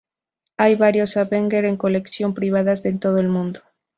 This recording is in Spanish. Hay varios "Avenger" en colecciones privadas de todo el mundo.